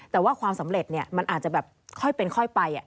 แต่ว่าความสำเร็จมันอาจจะแบบค่อยเป็นค่อยไป